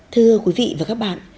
thưa quý vị và các bạn